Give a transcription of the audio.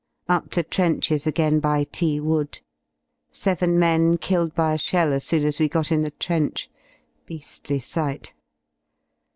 Up to trenches again by T Wood. Seven men killed by a shell as soon as we got in the trench; bea^ly sight!